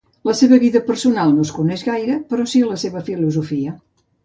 La seva vida personal no es coneix gaire, però sí la seva filosofia.